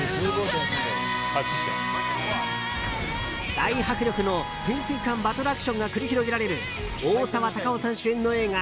大迫力の潜水艦バトルアクションが繰り広げられる大沢たかおさん主演の映画